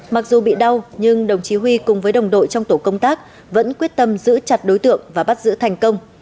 mặc dù bị đau nhưng đồng chí huy cùng với đồng đội trong tổ công tác vẫn quyết tâm giữ chặt đối tượng và bắt giữ thành công